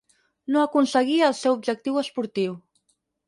No aconseguí el seu objectiu esportiu.